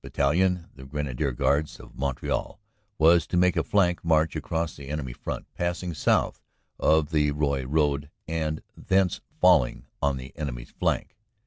Bat talion, the Grenadier Guards of Montreal, was to make a flank march across the enemy front, passing south of the Roye road, and thence falling on the enemy s flank.